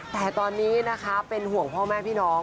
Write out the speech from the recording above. แต่ตอนนี้นะคะเป็นห่วงพ่อแม่พี่น้อง